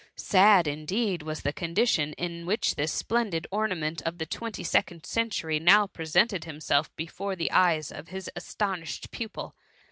Sad, indeed, was the condition in which this splendid ornament of the twenty second century now presented himself before the eyes of his astonished pupil.